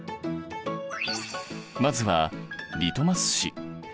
まずはリトマス紙。